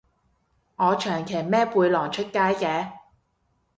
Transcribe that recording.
我長期孭背囊出街嘅